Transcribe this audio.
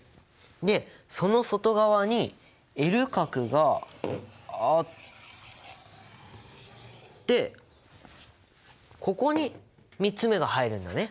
でその外側にＬ殻があってここに３つ目が入るんだね。